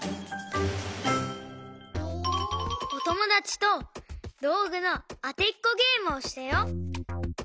おともだちとどうぐのあてっこゲームをしたよ。